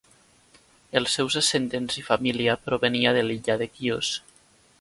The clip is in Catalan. Els seus ascendents i família provenia de l'illa de Quios.